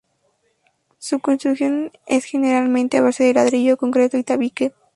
Su construcción es generalmente a base de ladrillo, concreto y tabique.